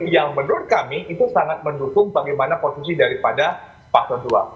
yang menurut kami itu sangat mendukung bagaimana posisi daripada pasal dua